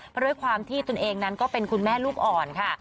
เพราะด้วยความที่ตนเองนั้นก็เป็นคุณแม่ลูกอ่อนค่ะ